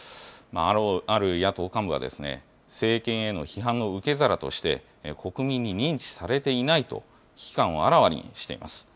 ある野党幹部は、政権への批判の受け皿として、国民に認知されていないと、危機感をあらわにしています。